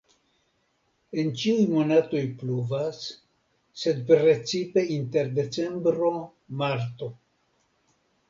En ĉiuj monatoj pluvas, sed precipe inter decembro-marto.